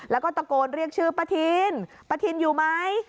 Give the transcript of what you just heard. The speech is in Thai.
แล้วก็ตะโกนเรียกชื่อป้าทินป้าทินอยู่ไหม